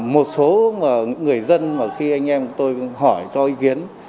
một số người dân mà khi anh em tôi hỏi cho ý kiến